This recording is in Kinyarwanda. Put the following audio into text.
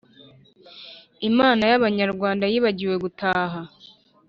Imana y’abanyarwanda Yibagiwe gutaha